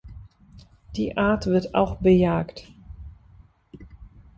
Die Art wird auch bejagt.